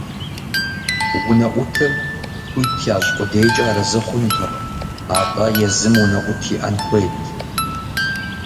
Унэӏутыр хуит ящӏ къудейкӏэ арэзы хъунутэкъым, атӏэ езым унэӏут иӏэну хуейт.